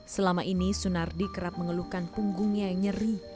selama ini sunardi kerap mengeluhkan punggungnya yang nyeri